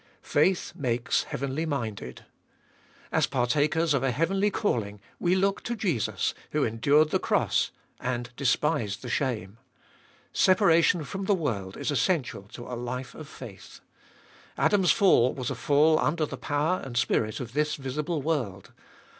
Faith makes heavenly minded. As partakers of a heavenly calling we look to Jesus, who endured the cross and despised the shame. Separation from the world is essential to a life of faith. Adam's fall was a fall under the power and spirit of this visible world.